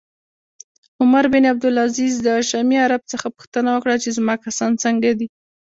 عمر بن عبدالعزیز د شامي عرب څخه پوښتنه وکړه چې زما کسان څنګه دي